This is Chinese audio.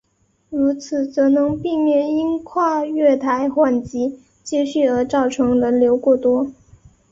如此则能避免因跨月台缓急接续而造成人流过多。